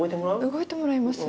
動いてもらいます？